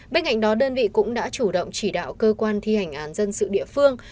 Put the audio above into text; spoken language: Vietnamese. bên cạnh đó đơn vị cũng đã chủ động chỉ đạo cơ quan thi hành án dân sự địa phương